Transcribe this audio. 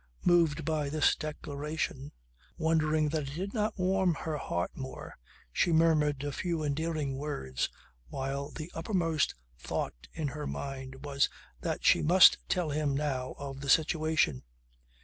Moved by this declaration, wondering that it did not warm her heart more, she murmured a few endearing words while the uppermost thought in her mind was that she must tell him now of the situation.